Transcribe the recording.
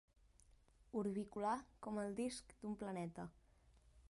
Orbicular com el disc d'un planeta.